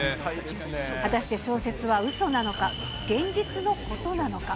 果たして小説はうそなのか、現実のことなのか。